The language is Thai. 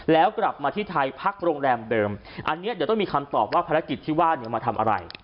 แล้วกลับมาที่ไทยพักโรงแรมเดิมอันนี้เดี๋ยวต้องมีคำตอบว่าภารกิจที่ว่าเนี่ยมาทำอะไร